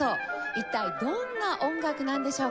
一体どんな音楽なんでしょうか？